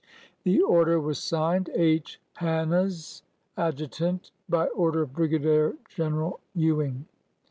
The order was signed : H. Hannahs, Adjutant, By order of Brigadier General Ewing."